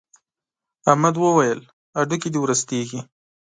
احمد وويل: هډوکي دې ورستېږي.